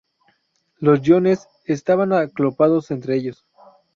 Los iones estaban acoplados entre ellos.